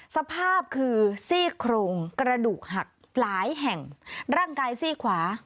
สภาพคือซี่โครงกระดูกหักหลายแห่งร่างกายซี่ขวา